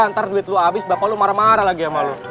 ntar duit lu habis bapak lu marah marah lagi sama lu